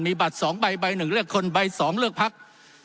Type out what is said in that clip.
มีบัตรสองใบใบหนึ่งเลือกคนใบสองเลือกภักดิ์